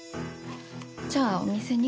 じゃあお店に？